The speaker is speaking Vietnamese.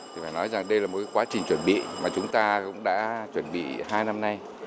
thì phải nói rằng đây là một quá trình chuẩn bị mà chúng ta cũng đã chuẩn bị hai năm nay